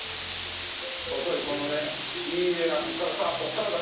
細いこのねいい画がここからさあここからだ。